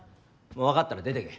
もう分かったら出てけ。